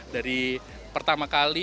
dari pertama kali